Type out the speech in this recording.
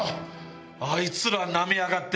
あいつらナメやがって。